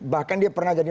bahkan dia pernah jadi